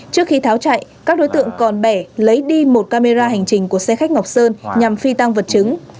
trước khi tháo chạy các đối tượng còn bẻ lấy đi một camera hành trình của xe khách ngọc sơn nhằm phi tăng vật chứng